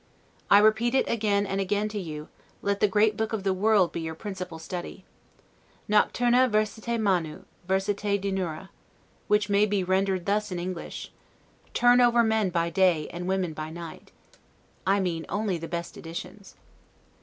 I repeat it again and again to you, Let the great book of the world be your principal study. 'Nocturna versate manu, versate diurna'; which may be rendered thus in English: Turn Over MEN BY DAY, AND WOMEN BY NIGHT. I mean only the best editions.